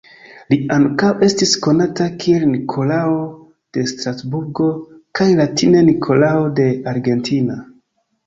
Li ankaŭ estis konata kiel Nikolao de Strasburgo kaj latine Nikolao de Argentina.